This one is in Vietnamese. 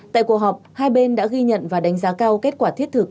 tại cuộc họp hai bên đã ghi nhận và đánh giá cao kết quả thiết thực